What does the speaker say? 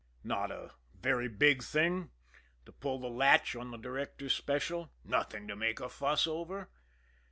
Not a very big thing to pull the latch of the Directors' Special? Nothing to make a fuss over?